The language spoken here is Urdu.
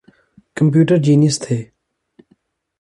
کمپیوٹر جینئس تھے۔